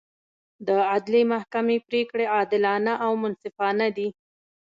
د عدلي محکمې پرېکړې عادلانه او منصفانه دي.